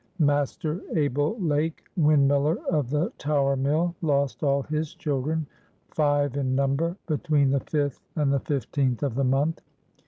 Master Abel Lake, windmiller of the Tower Mill, lost all his children, five in number, between the fifth and the fifteenth of the month.